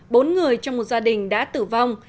bốn người trong một gia đình đã tử vong